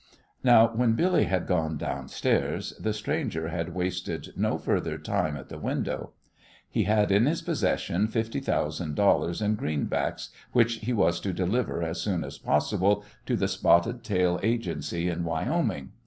Now, when Billy had gone downstairs, the stranger had wasted no further time at the window. He had in his possession fifty thousand dollars in greenbacks which he was to deliver as soon as possible to the Spotted Tail agency in Wyoming.